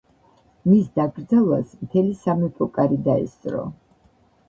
მის დაკრძალვას მთელი სამეფო კარი დაესწრო.